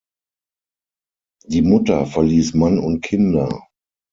Die Mutter verließ Mann und Kinder.